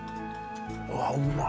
うわー、うまい。